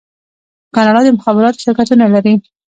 کاناډا د مخابراتو شرکتونه لري.